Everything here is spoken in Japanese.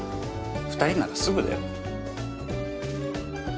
２人ならすぐだよ。